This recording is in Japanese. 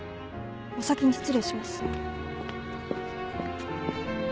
お先に失礼します。